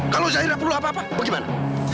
kalau zahira perlu apa apa bagaimana